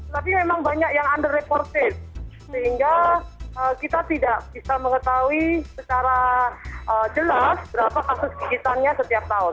tapi memang banyak yang under reported sehingga kita tidak bisa mengetahui secara jelas berapa kasus gigitannya setiap tahun